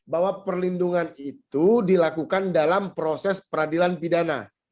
bahwa perlindungan itu dilakukan dalam proses peradilan pidana